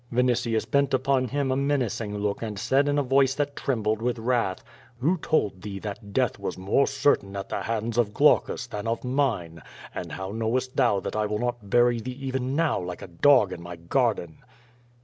Vinitius bent upon him a menacing look and said in a voice that trembled with wrath: "Who told thee that death was more certain at the hands of Glaucus than of mine? And how knowest thou that I will not bury thee even now like a dog in my garden?"